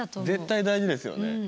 絶対大事ですよね。